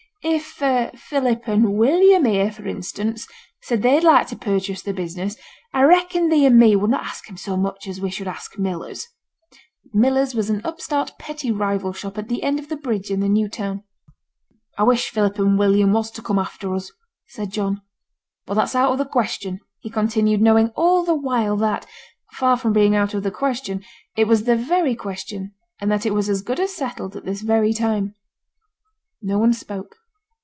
If Philip and William here, for instance, said they'd like to purchase the business, I reckon thee and me would not ask 'em so much as we should ask Millers' (Millers was an upstart petty rival shop at the end of the bridge in the New Town). 'I wish Philip and William was to come after us,' said John. 'But that's out of the question,' he continued, knowing all the while that, far from being out of the question, it was the very question, and that it was as good as settled at this very time. No one spoke.